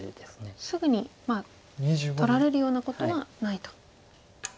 すぐに取られるようなことはないと。